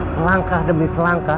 selangkah demi selangkah